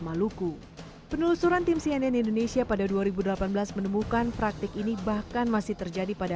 maluku penelusuran tim cnn indonesia pada dua ribu delapan belas menemukan praktik ini bahkan masih terjadi pada